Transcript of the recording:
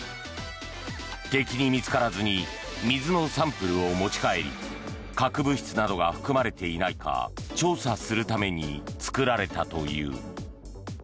敵に見つからずに水のサンプルを持ち帰り核物質などが含まれていないか調査するために作られたという。